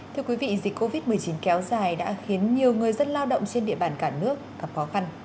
thưa quý vị dịch covid một mươi chín kéo dài đã khiến nhiều người dân lao động trên địa bàn cả nước gặp khó khăn